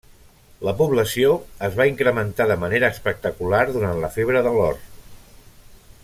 La població es va incrementar de manera espectacular durant la febre de l'or.